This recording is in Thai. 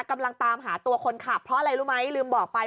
กำลังตามหาตัวคนขับเพราะอะไรรู้ไหมลืมบอกไป